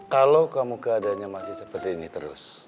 kalau kamu keadaannya masih seperti ini terus